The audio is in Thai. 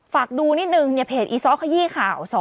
ฝากดูนิดนึงเนี่ยเพจอีซ้อขยี้ข่าว